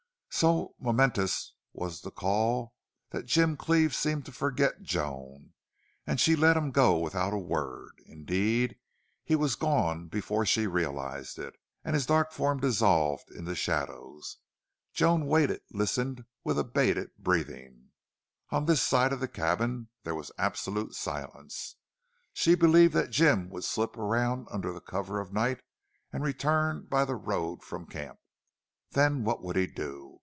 So momentous was the call that Jim Cleve seemed to forget Joan, and she let him go without a word. Indeed, he was gone before she realized it, and his dark form dissolved in the shadows. Joan waited, listening with abated breathing. On this side of the cabin there was absolute silence. She believed that Jim would slip around under cover of night and return by the road from camp. Then what would he do?